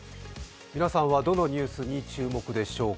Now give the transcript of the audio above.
皆さんはどのニュースに注目でしょうか。